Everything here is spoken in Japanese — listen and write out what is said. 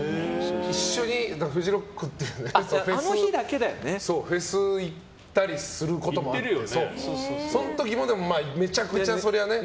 一緒にフジロックっていうフェスに行ったりすることもあってその時も、めちゃくちゃね。